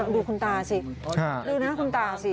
ดูคุณตาสิดูหน้าคุณตาสิ